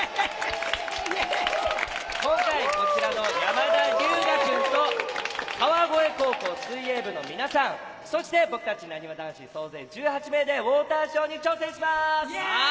今回、こちらの山田龍芽くんと川越高校水泳部の皆さん、そして僕たち、なにわ男子、総勢１８名でウォーターショーに挑戦します。